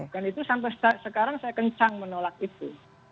dan itu sampai sekarang saya kencang menolak itu